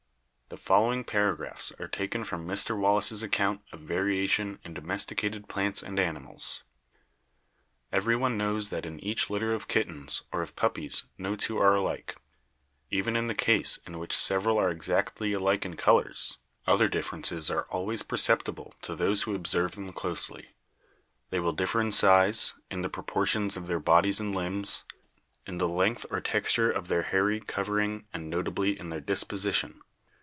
The fol lowing paragraphs are taken from Mr. Wallace's account of variation in domesticated plants and animals: "Every one knows that in each litter of kittens or of puppies no two are alike. Even in the case in which sev eral are exactly alike in colors, other differences are always perceptible to those who observe them closely. They will differ in size, in the proportions of their bodies and limbs, in the length or texture of their hairy covering and notably in their disposition.